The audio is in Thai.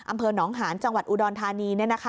อำเภอหนองหานจังหวัดอุดรธานี